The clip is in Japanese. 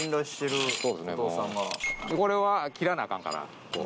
これは切らなアカンから。